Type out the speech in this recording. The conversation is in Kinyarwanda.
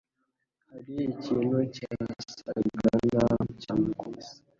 hari ikintu cyasaga naho cyamukubise